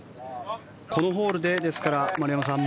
このホールで、ですから丸山さん